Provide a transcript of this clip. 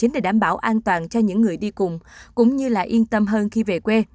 để đảm bảo an toàn cho những người đi cùng cũng như là yên tâm hơn khi về quê